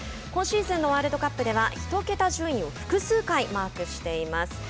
今シーズンのワールドカップでは１桁順位を複数回マークしています。